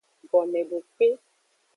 Gomedokpe.